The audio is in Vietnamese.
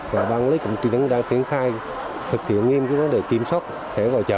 và hoàng lê cũng đang triển khai thực hiện nghiêm cứu đó để kiểm soát thể vào chợ